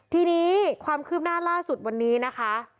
ทีนี้ความคืบหน้าล่าสุดวันนี้นะคะ